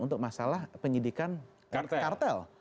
untuk masalah penyidikan kartel